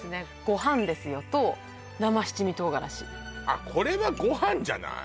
ごはんですよ！と生七味とうがらしあっこれはご飯じゃない？